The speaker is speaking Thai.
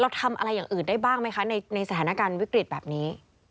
ทำอะไรอย่างอื่นได้บ้างไหมคะในสถานการณ์วิกฤตแบบนี้